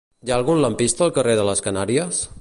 Hi ha algun lampista al carrer de les Canàries?